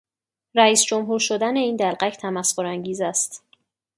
رئیس جمهور شدن این دلقک تمسخر انگیز است.